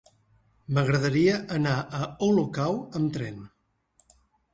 M'agradaria anar a Olocau amb tren.